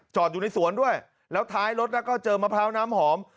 อยู่ในสวนด้วยแล้วท้ายรถแล้วก็เจอมะพร้าวน้ำหอม